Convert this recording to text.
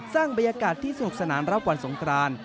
สร้างบรรยากาศที่สนุกสนานรับวันสงคราน